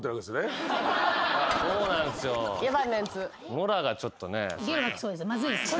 ノラがちょっとね。